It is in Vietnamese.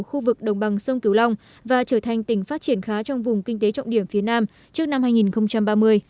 khu vực đồng bằng sông kiều long và trở thành tỉnh phát triển khá trong vùng kinh tế trọng điểm phía nam trước năm hai nghìn ba mươi